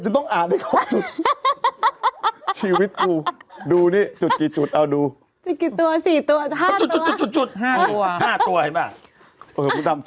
มันน่ำจะบ้ามันน่ำจะอ่านจุดได้ขนาดนั้นเลยหรือเปล่า